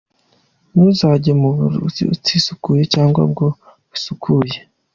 Ntuzage mu buriri utisukuye cyangwa bwo busukuye.